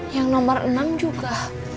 yang nomor enam juga